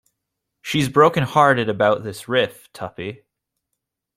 She's broken-hearted about this rift, Tuppy.